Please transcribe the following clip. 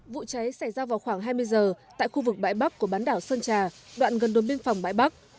vụ cháy xảy ra vào khoảng hai mươi giờ tại khu vực bãi bắc của bán đảo sơn trà đoạn gần đồn biên phòng bãi bắc